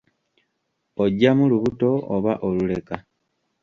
Oggyamu lubuto oba oluleka?